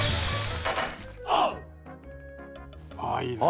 あいいですね。